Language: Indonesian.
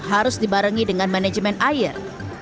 harus dibarengi dengan manajemen air